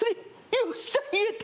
よっしゃ言えた！